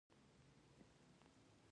هغوی وېرېدلي و، هرڅه چې به په مخه ورتلل.